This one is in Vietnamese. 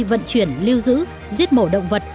vận chuyển lưu giữ giết mổ động vật